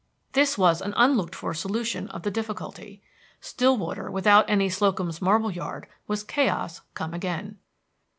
This was an unlooked for solution of the difficulty. Stillwater without any Slocum's Marble Yard was chaos come again.